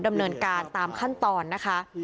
ดำเนินการตามขั้นตอนนะคะ